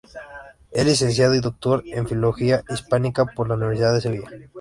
Es Licenciado y Doctor en Filología Hispánica por la Universidad de Sevilla.